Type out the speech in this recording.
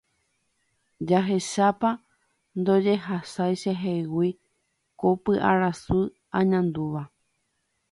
Jahechápa ndojehasái chehegui ko py'arasy añandúva.